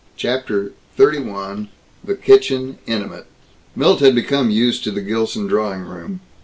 CHAPTER XXXI THE KITCHEN INTIMATE Milt had become used to the Gilson drawing room.